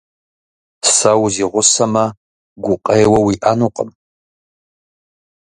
Сэ узигъусэмэ, гукъеуэ уиӏэнукъым.